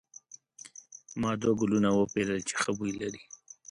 ما دوه ګلونه وپیرل چې ښه بوی لري.